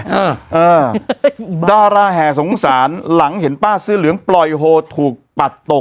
เออเออดาราแห่สงสารหลังเห็นป้าเสื้อเหลืองปล่อยโฮถูกปัดตก